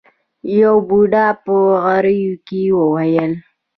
يوه بوډا په غريو کې وويل.